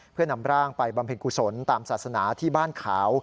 เพื่อนำร่างไปบำเพ็ญกุศลตามศาสนาที่บ้านขาว